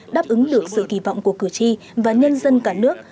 đáp ứng được sự kỳ vọng của cử tri và nhân dân cả nước